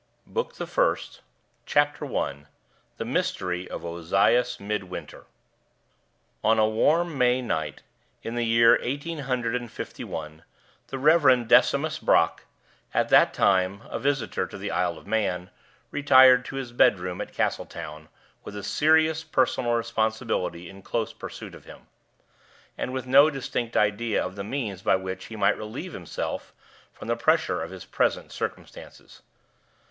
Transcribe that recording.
BOOK THE FIRST. I. THE MYSTERY OF OZIAS MIDWINTER. ON a warm May night, in the year eighteen hundred and fifty one, the Reverend Decimus Brock at that time a visitor to the Isle of Man retired to his bedroom at Castletown, with a serious personal responsibility in close pursuit of him, and with no distinct idea of the means by which he might relieve himself from the pressure of his present circumstances.